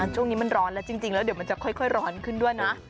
ช่วงนี้มันร้อนแล้วจริงแล้วเดี๋ยวมันจะค่อยร้อนขึ้นด้วยนะ